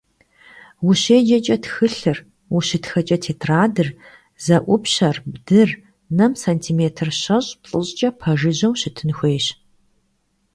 УщеджэкӀэ тхылъыр, ущытхэкӀэ тетрадыр, зэӀупщэр, бдыр нэм сантиметр щэщӀ—плӀыщӀкӀэ пэжыжьэу щытын хуейщ.